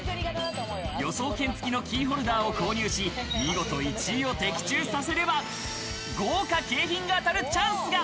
予想券付きのキーホルダーを購入し、見事１位を的中させれば豪華景品が当たるチャンスが。